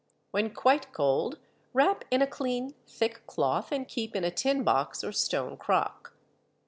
When quite cold wrap in a clean thick cloth and keep in a tin box or stone crock.